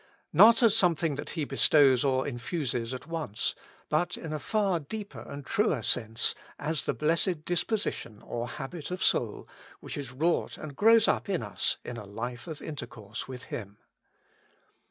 Not as something that He bestows or infuses at once, but in a far deeper and truer sense, as the blessed disposition or habit of soul which is wrought and grows up in us in a life of intercourse with Him.